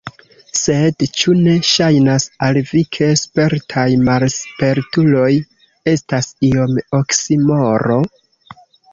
Sed ĉu ne ŝajnas al vi, ke spertaj malspertuloj estas iom oksimoro?